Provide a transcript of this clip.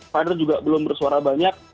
kader juga belum bersuara banyak